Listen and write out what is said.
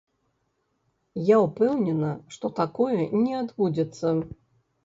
Я ўпэўнена, што такое не адбудзецца.